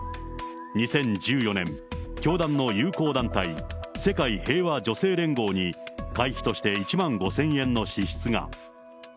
２０１４年、教団の友好団体、世界平和女性連合に、会費として１万５０００円の支出が。